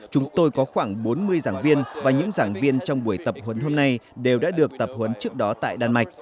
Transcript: chúng tôi có khoảng bốn mươi giảng viên và những giảng viên trong buổi tập huấn hôm nay đều đã được tập huấn trước đó tại đan mạch